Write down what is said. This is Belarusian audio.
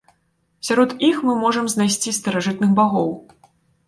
Сярод іх мы можам знайсці старажытных багоў.